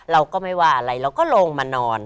เราก็ไม่ว่าอะไรเราก็ลงมานอน